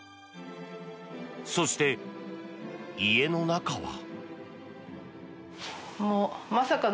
そして、家の中は。